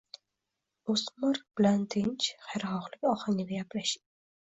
O‘smir bilan tinch, hayrixohlik ohangida gaplashing.